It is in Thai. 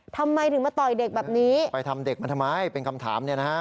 ทำไมถึงมาต่อยเด็กแบบนี้ไปทำเด็กมันทำไมเป็นคำถามเนี่ยนะฮะ